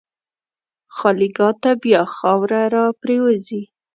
خالیګاه ته بیا خاوره راپرېوځي.